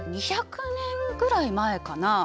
２００年ぐらい前かな。